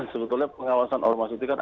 sebetulnya pengawasan ormas itu kan